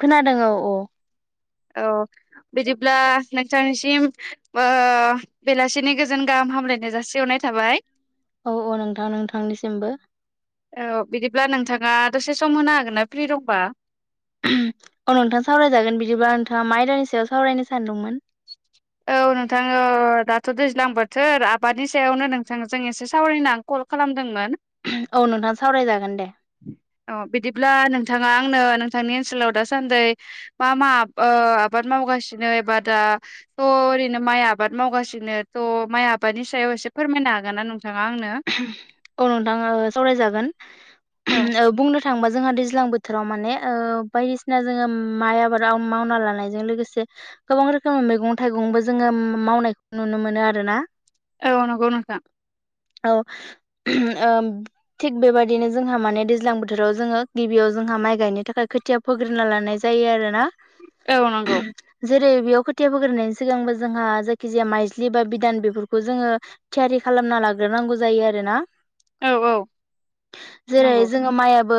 खोनादों औ औ । औ बिदिब्ला नोंथांनिसिम ओ बेलासिनि गोजोन गाहाम हामलायनाय जासिहरनाय थाबाय । औ औ नोंथां नोंथांनिसिमबो औ बिदिब्ला नोंथाङा दसे सम होनो हागोन ना फ्रि दंबा? औ नोंथां सावरायजागोन बिदिबा नोंथाङा मा आयदानि सायाव सावरायनो सानदोंमोन? औ नोंथाङो औ दाथ' दैज्लां बोथोर आबादनि सायावनो नोंथां जों एसे सावरायनांगौ कल खालामदोंमोन । औ नोंथाङा सावरायजागोन दे । औ बिदिब्ला नोंथाङा आंनो नोंथांनि ओनसोलाव दासान्दै मा मा औ आबाद मावगासिनो एबा दा थ' ओरैनो माइ आबाद मावगासिनो थ' माइ आबादनि सायाव एसे फोरमायनो हागोन ना नोंथाङा आंनो? औ नोंथां सावरायजागोन औ । ओ बुंनो थांबा जोंहा दैज्लां बोथोराव माने ओ बायदिसिना जोङो माइ आबादाव मावना लानायजों लोगोसे गोबां रोखोम मैगं थाइगंबो जोङो मावनायखौ नुनो मोनो आरोना । औ नंगौ नोंथां । औ ओ थिग बेबायदिनो जोंहा माने दैज्लां बोथोराव जोङो गिबियाव जोंहा माइ गायनो थाखाय खो थिया फोग्रिना लानाय जायो आरो ना । औ नंगौ । जेरै बेयाव खोथिया फोग्रोनायनि सिगांबो जोंहा जायखि जाया माइजलि बा बिदान बेफोरखौ जोङो थियारि खालामना लाग्रोनांगौ जायो आरो ना । औ औ । जेरैहाय जोङो माइयाबो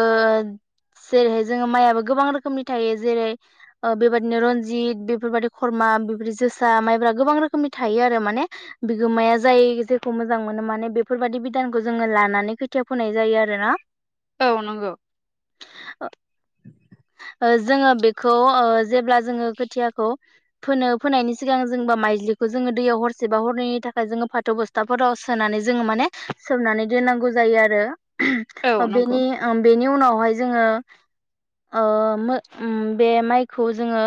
जेरैहाय जोङो माइयाबो गोबां रोखोमनि थायो जेरै ओ बेबादिनो रनजित बेफोरबायदि खरमा बेफोरदि जोसा माइब्रा गोबां रोखोमनि थायो आरो माने बिगोमाया जाय जेखौ मोजां मोनो माने बेफोरबायादि बिदि खौ जोङो लानानै खोथिया फोनाय जायो आरो ना । औ नंगौ । ओ ओ जोङो बेखौ जेब्ला जोङो खोथियाखौ फोनो फोनायनि सिगां जोंबा माइजलिखौ जोङो दैयाव हरसेबा हरनायनि थाखाय जोङो फाथ' बस थाफोराव सोनानै जोङो माने सोमनानै दोननांगौ जायो आरो औ ओ नंगौ बेनि ओ बेनि उनावहाय जोङो ओ मो बे माइखौ जोङो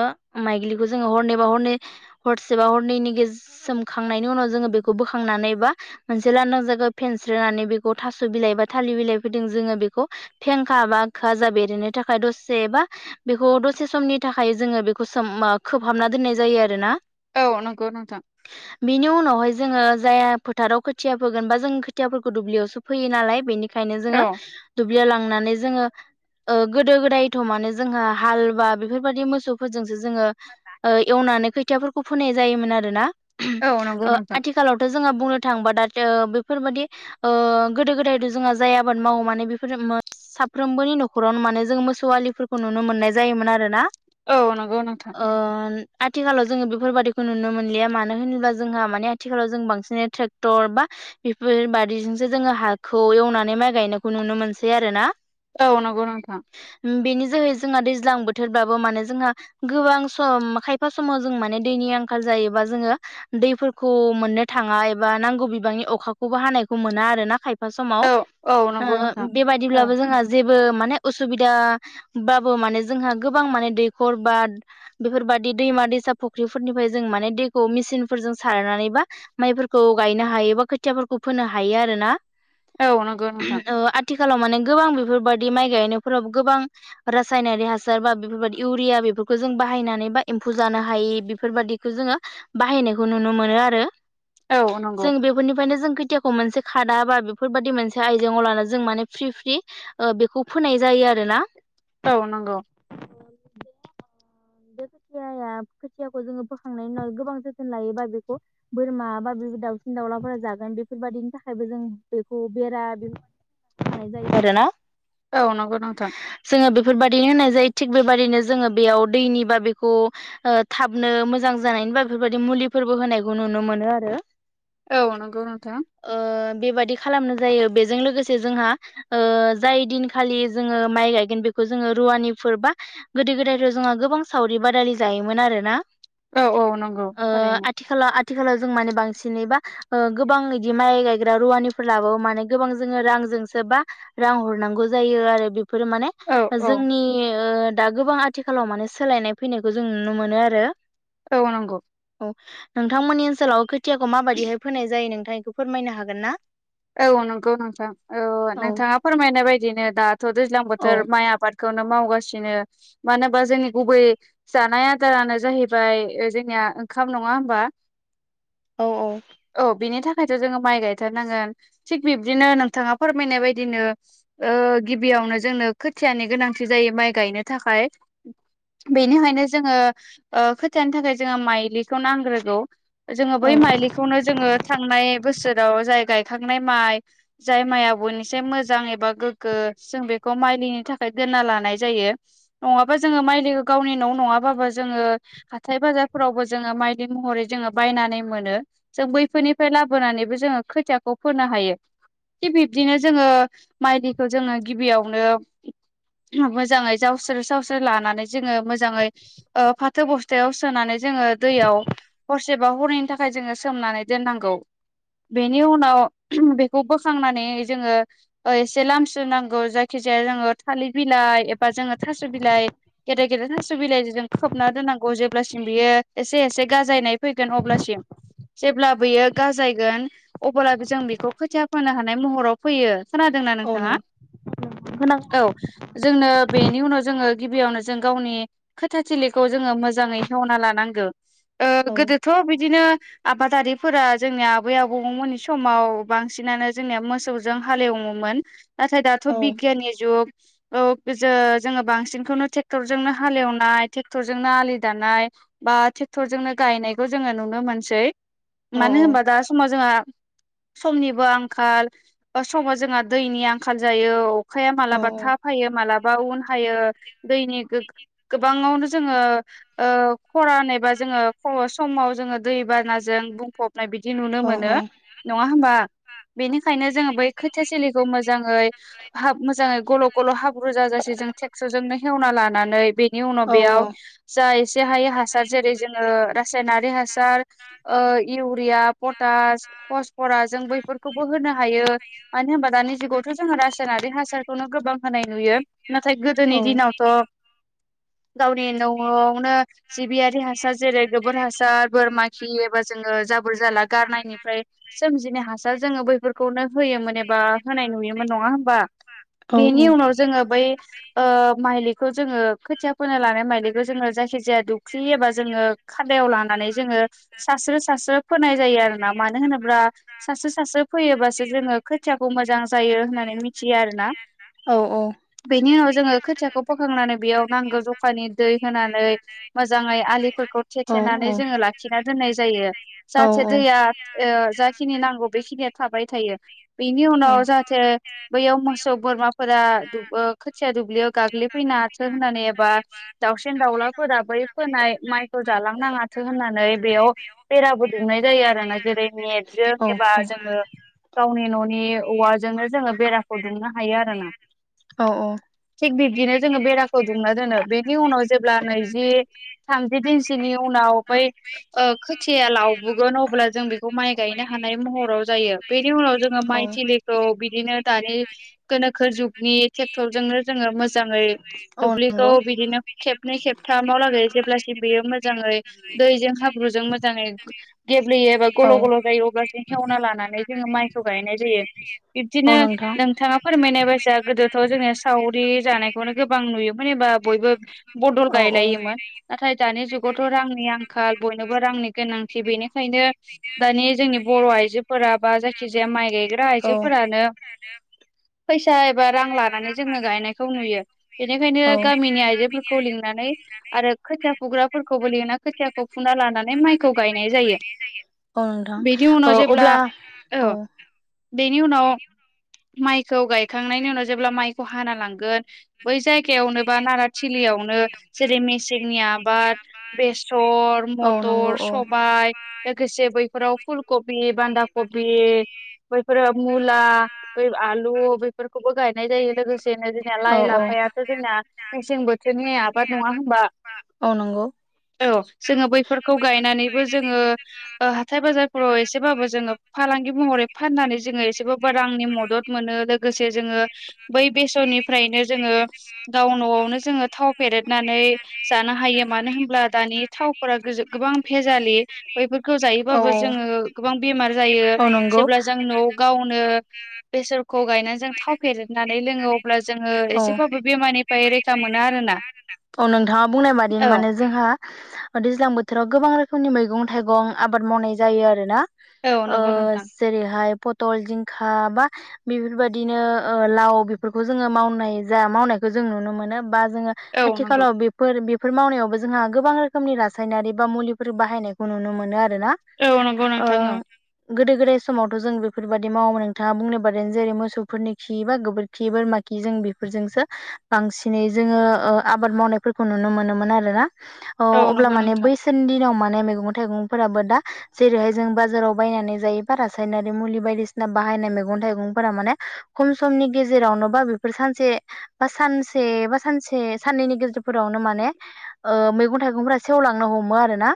माइग्लिखौ जोङो हरनै बा हरनै हरसेबा हरनैनि गे सोमखांनायनि उनाव जोङो बेखौ बोखांनानै बा मोनसे लांदां जायगा फेनस्रोनानै बेखौ थास' बिलाइ बा थालिर बिलाइ फैदों जोङो बेखौ फेंखा बा खोजा बेरनो थाखाय दसेबा बेखौ दसे समनि थाखाय जोङो बेखौ सोम खोबहाबना दोननाय जायो आरो ना । औ नंगौ नोंथां बिनि उनावहाय जोङो जाया फोथाराव खोथिया फोगोन बा जों खुथियाफोरखौ दुब्लियावसो फैयो नालाय बेनिखायनो औ जोङो दुब्लियाव लांनानै जोङो ओ गोदो गोदायथमानो जोंहा हाल बा बेफोरबायदि मोसौ फोरजोंसो जोङो ओ एवनानै खोथियाफोरखौ फोनाय जायोमोन आरोना औ नंगौ आथिखाल नोंथां आथिखालावथ' जोंहा बुंनो थाङोबा दाथ बेफोरबादि ओ गोदो गोदायथ' जोंहा जाय आबाद मावो माने बेफोर साफ्रोमबोनि न'खरावनो माने जों मोसौ हालिफोरखौ नुनो मोननाय जायोमोन आरो ना औ नंगौ नोंथां । ओ आथिखालाव जोङो बेफोरबादिखौ नुनो मोनलिया मानो होनोब्ला जोंहा माने आथिखालाव जों बांसिनै ट्रेक्टर बा बेफोर बादिजोंसो जोङो हाखौ एवनानै माइ गायनायखौ नुनो मोनसै आरो ना औ नंगौ नोंथां बेनि जोहै जोंहा दैज्लां बोथोरबाबो माने जोंहा गोबां सम खायफा समाव जों माने दैनि आंखाल जायोबा जोङो दैफोरखौ मोननो थाङा एबा नांगौ बिबांनि अखाखौबो हानायखौ मोना आरो ना खायफा समाव औ औ नंगौ ओ नोंथां औ बेबायदिब्लाबो जोंहा जेबो माने उसुबिदा बाबो माने जोंहा गोबां माने दैख'र बा बेफोरबादि दैमा दैसा फुख्रिफोरनिफ्राय जों माने दैखौ मेसिनफोरजों सारनानै बा माइफोरखौ गायनो हायो बा खोथियाफोरखौ फोनो हायो आरो ना औ नंगौ नोंथां ओ आ थिखालाव माने गोबां बेफोरबायाददि माइ गायनायफोराव गोबां रासायनारि हासार बा बेफोरबाददि इउरिया बेफोरखौ जों बाहायनानै बा एम्फौ जानो हायि बेफोरबादिखौ जोङो बाहायनायखौ नुनो मोनो आरो औ नंगौ जों बेफोरनिफ्रायनो जों खोथियाखौ मोनसे खादा बा बेफोरबायदि मोनसे आइजेंआव ला जों माने फ्रि फ्रि ओ बेखौ फोनाय जायो आरो ना औ नंगौ बे खोथिया खोथियाखौ जोङो फोखांनायनि उनाव गोबां जोथोन लायोबा बेखौ बोरमा बा बे दाउसिन दाउलाफोरा जागोन बेफोरबायादिनि थाखायबो जों बेखौ बेरा बे फोनाय जायो आरोना औ नंगौ नोंथां जोङो बेफोरबादिनो होननाय जायो थिग बेबायाददिनो जोङो बेयाव दैनि बा बेखौ ओ थाबनो मोजां जानायनि बा बेफोरबायदि मुलिफोरबो होनायखौ नुनो मोनो आरो औ नांगौ नोंथां ओ बेबादि खालामनो जायो बेजों लोगोसे जोंहा ओ जाय दिनखालि जोङो माइ गायगोन बेखौ जोङो रुवानिफोर बा गोदो गोदायथ' जोंहा गोबां सावरि बादालि जायोमोन आरो ना औ औ नंगौ थारैनो खालाव आथिखालाव आथिखालाव जों माने बांसिनै बा ओ गोबां बिदि माइ गायग्रा रुवानिफोर लाबावो माने गोबां जोङो रांजोंसो बा रां हरनांगौ जायो आरो बेफोरो माने औ औ जोंनि ओ दा गोबां आथिखालाव माने सोलायनाय फैनायखौ जों नुनो मोनो आरो औ नंगौ औ नोंथांमोननि ओनसोलाव खोथियाखौ माबादिहाय फोनाय जायो नोंथां बेखौ फोरमायनो हागोन ना । औ नंगौ नोंथां औ नोंथाङा फोरमायनाय बायदिनो दाथ' दैज्लां औ बोथोर माइ आबाद खौनो मावगासिनो मानो होनोबा जोंनि गुबै जानाय आदारानो जाहैबाय जोंनिया ओंखाम नंङा होमबा । औ औ बिनि थाखायथ' जोङो माइ गायथारनांगोन । थिग बिब्दिनो नोंथाङा फोरमायनाय बायदिनो ओ गिबियावनो जोंनो खोथियानि गोनांथि जायो माइ गायनो थाखाय बेनिखायनो जोङो ओ खोथानि थाखाय जोङो माइलिखौ नांग्रोगौ जोङो औ बै माइलिखौनो जोङो थांनाय बोसोराव जाय गायखांनाय माइ जाय माइआ बयनिसाय मोजां एबा गोगो जों बेखौ माइलिनि थाखाय दोनना लानाय जायो । नङाबा जोङो माइलिखौ गावनि न' नङाबाबो जोङो हाथाय बाजारफोरावबो जोङो माइदि महरै जोङो बायनानै मोनो जों बैफोरनिफ्राय लाबोनानैबो जोङो खोथियाखौ फोनो हायो थिग बिब्दिनो जोङो माइ दैखौ जोङो गिबियावनो मोजाङै जावस्रो सावस्रो लानानै जोङो मोजाङै ओ फाथो बस्थायाव सोनानै जोङो दैयाव हरसेबा हरैनि थाखाय जोङो सोमनानै दोननांगौ बेनि उनाव बेखौ बोखांनानै जोङो एसे लामसु नांगौ जायखि जाया जोङो थालिर बिलाइ एबा जोङो थास' बिलाइ गेदेर गेदेर थास' बिलाइजों खोबना दोननांगौ जेब्लासिम बियो एसे एसे गाजायनाय फैगोन अब्लासिम जेब्ला बियो गाजायगोन अब्लाबो जों बेखौ खोथिया फो हानाय महराव फैयो। खोनादोंना औ नोंथाङा नों औ। जोंनो बेनि उनाव जोङो गिबियावनो जों गावनि खोथाथिलिखौ जोङो मोजाङै हेवना लानांगौ औ गोदोथ' बिदिनो आबादारिफोरा जोंनि आबै आबौमोननि समाव बांसिनानो जोंनिया मोसौजों हालेवोमोन नाथाय दाथ' औ बिगियाननि जुग औ ज जोङो बांसिनखौनो ट्रेक्टरजोंनो हालेवनाय ट्रेक्टरजोंनो आलि दानाय बा ट्रेक्टरजोंनो गायनायखौ जोङो नुनो मोनसै औ मानो होनबा दा समाव जोंहा समनिबो आंखाल समाव जोंहा दैनि आंखाल जायो। अखाया औ माबलाबा था फ हायो मालाबा उन हायो दैनि गो गोबाङावनो जोङो खरान एबा जोङो समाव जोङो दै बानाजों बुंफबनाय बिदि नुनो औ मोनो नङा होमबा बेनिखायनो जोङो बै खोथा सोलिखौ मोजाङै हाब मोजाङै गल' गल' हाब्रुजाजासै जों टेक्स' जनो खेवना लानानै बेनि औ उनाव बेयाव जा एसे हायो हासार जेरै जोङो रासायनारि हासार इउरिया पटास फसफरास जों बैफोरखौबो होनो हायो। मानो होनबा दानि जुगावथ' जोङो रासायनारि हासारखौनो गोबां होनाय नुयो। नाथाय गोदोनि दिनावथ' गावनि न'आवनो। सिबियारि हासार जेरै गोबोर हासार बोरमा खि एबा जोङो जाबोर जाला गारनायनिफ्राय नि हासार जोङो बैफोरखौनो होयोमोन एबा होनाय नुयोमोन नङा हबा बेनि उनाव जोङो बै ओ माइलिखो जोङो खोथिया माइदिखौ जोङो जायखि जाया दुखलियोबा जोङो खादायाव लानानै जोङो सास्रो सास्रो फोनाय जायो आरोना मानो होनोब्ला सासे सासे फैयोबासो जोङो खोथियाखौ मोजां जायो होननानै मिथियो आरो ना औ औ। बेनि उनाव जोङो खोथियाखौ फोखांनानै बेयाव नांगौ जखानि दै होनानै मोजाङै आलिफोरखौ औ औ थेथेनानै जोङो लाखिना दोननाय जायो जाहाथे दैया जाखिनि नांगौ बेखिनिया थाबाय थायो बेनि उनाव जाहाथे बैयाव मसौ बोरमा फोर खोथिया दुब्लियाव गाग्लिफैनो हाथो होननानै एबा दाउसेन दाउलाफोरा बै फोनाय माइखौ जालांनाङाथो होननानै बेयाव बेरा दुंनाय जायो आरो ना जेरै नेटजों औ एबा जोङो गावनि न'नि औवाजोंनो जोङो बेराखौ दुमनो हायो आरो ना। औ औ। थिग बिब्दिनो जोङो बेराखौ दुंना दोनो बेनि उनाव जेब्ला नैजि। थामजि दिनसेनि उनाव बै खोथिया लावबोगोन अब्ला जों बेखौ माइ गायनो हानाय महराव जायो। बेनि उनाव जोङो माइ थिलिखौ बिदिनो दानि गोनोखो जुगनि ट्रेक्टरजोंनो जोंङो मोजाङै औ दुब्लिखौ नंगौ बिदिनो औ खेबनै खेबथाम मावलागै जेब्लासिम बियो मोजाङै दैजों हाब्रुजों मोजाङै गेब्लेयो एबा गल' गल' जायो ।अब्ला जे खेवना लानानै जोङो माइखौ गायनाय जायो। औ बिब्दिनो नोंथां नोंथाङा फोरमायनाय बायसा गोदोथ' जोंहा सावरि जानायखौनो गोबां नुयोमोन एबा बयबो बदल औ गायलायोमोन औ नाथाय। दानि जुगावथ' रांनि आंखाल बयनोबो रांनि गोनांथि बेनिखायनो दानि जोंनि बर' आइजोफोरा बा जायखिजाया माइ गायग्रा आइजोफोरानो [inaudible] फैसा एबा रां लानानै जोङो गायनायखौ नुयो। बेनिखायनो गामिनि आइजोफोरखौ लिंनानै आरो खोथिया फुग्राफोरखौबो लिंना खोथियाखौ फुना लानानै माइखौ गायनाय जायो । औ नोंथां औ अब्ला औ बेनि उनाव माइखौ गायखांनायनि उनाव जेब्ला माइखौ हाना लांगोन बै जायगायावनो बा नाराथिलियावनो जेरै मेसेंनि आबाद बेस सर, नंगौ मथर, सबाय गोसे बैफोराव फुल कबि बान्दा कबि बैफोरो मुला बै आलु बैफोरखौबो गाय नाय जायो लोगोसेनो जोंना लाइ लाफायाथ' जोंना मेसें बोथोरनि आबाद नङा होनबा? औ नंगौ औ जोङो बैफोरखौ गायनानैबो जोङो हाथाय बाजारफोराव एसेबाबो जोङो फालांगि महरै फाननानै जोङो एसेबाबो रांनि मदद मोनो लो गोसे जोङो बै बेसरनिफ्रायनो जोङो गाव न'आवनो जोङो थाव फेरेदनानै जानो हायो मानो होनब्ला दानि थावफोरा गो-गोबां भेजालि बैफोर खो जायोबो जोङो गोबां बेमार जायो । जेब्ला जों न' गावनो बेसरखौ गायना जों थाव फेरनानै लोङो अब्ला जोङो एसेबाबो बेमारनिफ्राय रैखा मोनो आरोना। औ नोंथाङा बुंनाय बादि औ माने जोंहा दैज्लां बोथोराव गोबां रोखोमनि मैगं थाइगं आबाद मावनाय जायो आरो ना। औ ओ नंगौ नोंथां जेरैहाय पथल जिंखा बा बेफोरबा दिनो ओ लाव बेफोरखौ जोङो मावनाय जा मावनायखौ जों नुनो मोनो बा जोङो औ नंगौ आथिखालाव बे फोर बेफोर मावनायावबो जोंहा गोबां रोखोमनि रासायनारि बा मुलिफोर बाहायनायखौ नुनो मोनो आरो ना। औ नंगौ ओ नोंथां औ गोदो गोदाय समावथ' जों बेफोरबायदि मावोमोन नोंथाङा बुंनो बादिनो मोसौ फोरनि खि बा गोबोरखि बोरमा खि जों बेफोरजोंसो बांसिनै जोंङो ओ आबाद मावनाय फोरखौ नुनो मोनोमोन आरोना औ अब्ला नंगौ माने नोंथां बै गोदोनि दिनाव माने मैगं थाइगंफोराबो दा जेरैहाय जों बाजाराव बायनानै जायो बारासायनारि मुलि बायदिसिना बाहायनाय मैगं थाइगंफोरा माने खम समनि गेजेरावनोबा बेफोर सानसे बा सानसे बा सानसे साननैनि गेजेरफोरावनो माने ओ मैगं थाइगंफोरा सेवलांनो हमो आरोना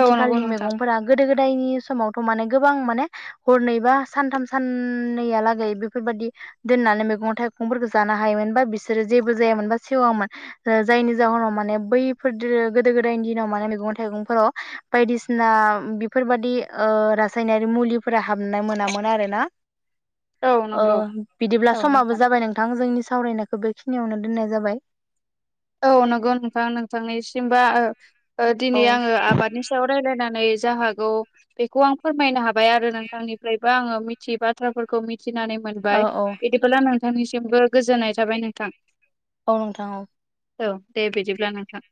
औ नंगौ नोंथां मैगं फोरा गोदो गोदायनि समावथ' माने गोबां माने हरनै बा सानथाम साननैयालागै बे बेफोरबायदि दोननानै मैगं थाइगंफोरखौ जानो हायोमोन बा बिसोरो जेबो जायामोन बा सेवामोन। जायनि जाहोनाव माने बैफोर गोदो गोदायनि दिनाव माने मैगं थाइगंफोराव बायदिसिना बेफोरबायदि ओ रासायनारि मुलिफोरा हाबनाय मोनामोन आरो ना। औ ओ नंगौ बिदिब्ला समाबो जाबाय नोंथां जोंनि सावरायनायखौ बेखिनियावनो दोननाय जाबाय। औ नंगौ नोंथां नोंथांनिसिमबो औ दिनै आङो आबादनि रायलायनानै जा हागौ बेखौ आं फोरमायनो हाबाय आरो नोंथांनिफ्राय बा आंयो मिथियै बाथ्राफोरखौ मिथिनानै औ औ मोनबाय ला नोंथांनिसिमबो गोजोननाय थाबाय नोंथां औ नोंथां औ औ दे बिदिब्ला नोंथां।